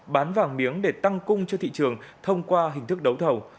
bán vàng miếng để tăng cung cho thị trường thông qua hình thức đấu thầu